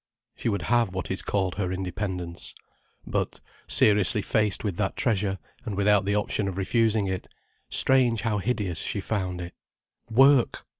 She would have what is called her independence. But, seriously faced with that treasure, and without the option of refusing it, strange how hideous she found it. Work!